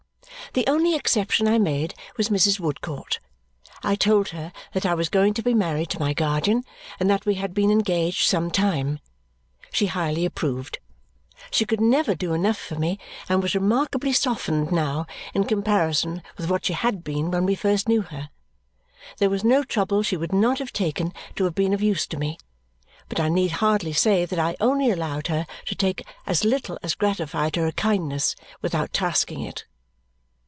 The only exception I made was Mrs. Woodcourt. I told her that I was going to be married to my guardian and that we had been engaged some time. She highly approved. She could never do enough for me and was remarkably softened now in comparison with what she had been when we first knew her. There was no trouble she would not have taken to have been of use to me, but I need hardly say that I only allowed her to take as little as gratified her kindness without tasking it.